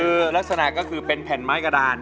คือลักษณะก็คือเป็นแผ่นไม้กระดาน